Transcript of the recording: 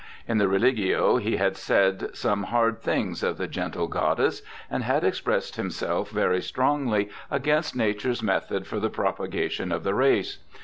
In the Religio he had said some hard things of the gentle goddess and had expressed himself very strongly against Nature's method for the propagation of the race.